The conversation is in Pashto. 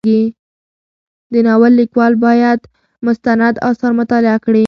د ناول لیکوال باید مستند اثار مطالعه کړي.